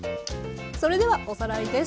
それではおさらいです。